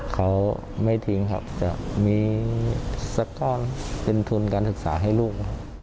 เขาไม่ทิ้งครับจะมีสักก้อนเป็นทุนการศึกษาให้ลูก